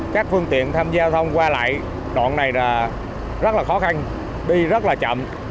các phương tiện tham gia giao thông qua lại đoạn này rất khó khăn đi rất chậm